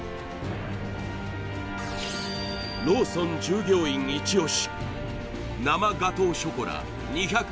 ローソン従業員イチ押し